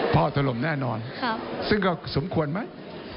ท่อถล่มแน่นอนซึ่งก็สมควรไหม